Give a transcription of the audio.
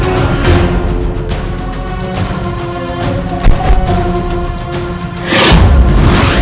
aku harus membantu